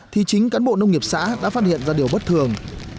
thì chính cán bộ nông nghiệp xã đã phát hiện ra điều bất thường